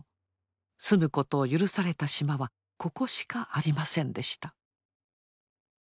住むことを許された島はここしかありませんでした。